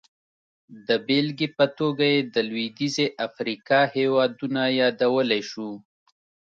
د بېلګې په توګه یې د لوېدیځې افریقا هېوادونه یادولی شو.